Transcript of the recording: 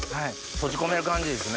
閉じ込める感じですね。